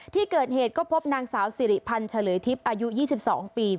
ที่เกิดเหตุก็พบนางสาวสิริพันธ์เฉลยทิพย์อายุ๒๒ปี